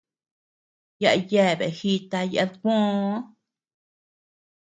Yaʼa yeabe jita yadkuöo.